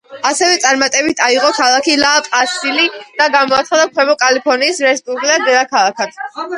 ასევე წარმატებით აიღო ქალაქი ლა პასი და გამოაცხადა ქვემო კალიფორნიის რესპუბლიკის დედაქალაქად.